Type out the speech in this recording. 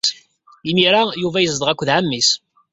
Imir-a Yuba yezdeɣ akked ɛemmi-s.